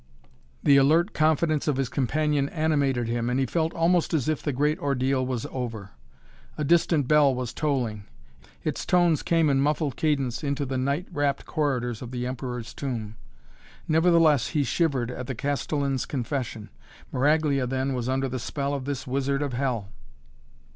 The alert confidence of his companion animated him and he felt almost as if the great ordeal was over. A distant bell was tolling. Its tones came in muffled cadence into the night wrapt corridors of the Emperor's Tomb. Nevertheless he shivered at the Castellan's confession. Maraglia, then, was under the spell of this Wizard of Hell.